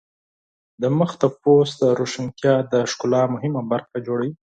د مخ د پوستکي روښانتیا د ښکلا مهمه برخه جوړوي.